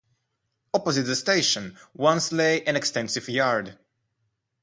Opposite the station once lay an extensive yard.